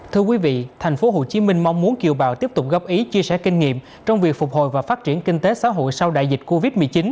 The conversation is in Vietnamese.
thưa quý vị tp hcm mong muốn kiều bào tiếp tục góp ý chia sẻ kinh nghiệm trong việc phục hồi và phát triển kinh tế xã hội sau đại dịch covid một mươi chín